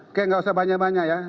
oke nggak usah banyak banyak ya